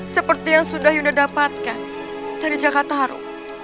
seperti yang sudah yunda dapatkan dari jakartaro